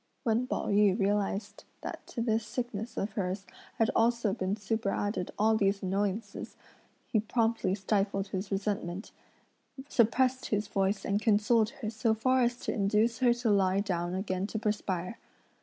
When Pao yü realised that to this sickness of hers, had also been superadded all these annoyances, he promptly stifled his resentment, suppressed his voice and consoled her so far as to induce her to lie down again to perspire.